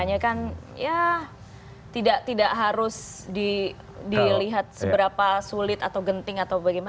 ketua tim kampanye kan ya tidak harus dilihat seberapa sulit atau genting atau bagaimana